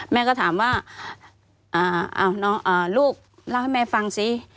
แม่ก็ถามว่าลูกเล่าให้แม่ฟังสิ